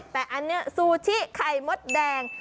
แต่อันนี้ซูชิไข่มดแดง